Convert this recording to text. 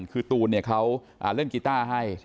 คือตูนเขาเล่นกีต้าให้